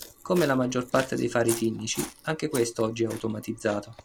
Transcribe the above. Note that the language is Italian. Come la maggior parte dei fari finnici, anche questo oggi è automatizzato.